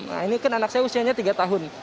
nah ini kan anak saya usianya tiga tahun